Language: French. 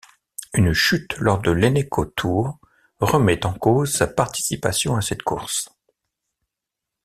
Une chute lors de l'Eneco Tour remet en cause sa participation à cette course.